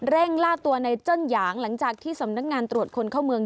ล่าตัวในจ้นหยางหลังจากที่สำนักงานตรวจคนเข้าเมือง